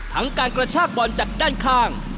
ทั้งการกระชากบอลจากด้านข้าง